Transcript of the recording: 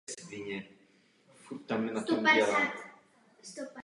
Je nejedlá pro příliš tuhé plodnice.